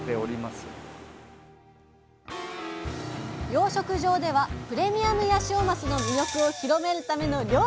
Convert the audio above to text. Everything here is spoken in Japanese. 養殖場ではプレミアムヤシオマスの魅力を広めるための料理も開発！